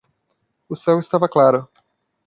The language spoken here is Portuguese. O céu estava claro.